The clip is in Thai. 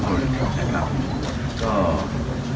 ไม่มะละมั่นคน